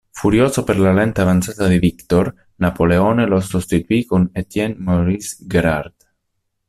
Furioso per la lenta avanzata di Victor, Napoleone lo sostituì con Étienne Maurice Gérard.